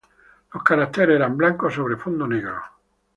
Los caracteres eran blancos sobre fondo negro.